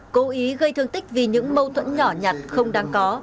cố ý gây thương tích vì những mâu thuẫn nhỏ nhặt không đáng có